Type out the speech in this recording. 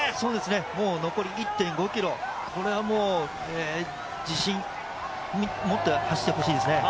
もう残り１．５ｋｍ、これは自信持って走ってほしいですね。